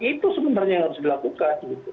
itu sebenarnya yang harus dilakukan